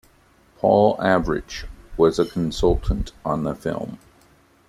Paul Avrich was a consultant on the film.